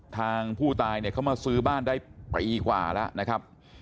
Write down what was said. ทางผู้ตายเนี่ยเขามาซื้อบ้านได้ปีกว่าแล้วนะครับ